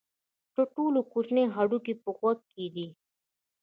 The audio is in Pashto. تر ټولو کوچنی هډوکی په غوږ کې دی.